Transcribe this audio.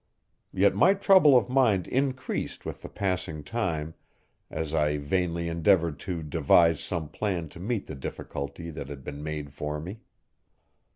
Yet my trouble of mind increased with the passing time as I vainly endeavored to devise some plan to meet the difficulty that had been made for me.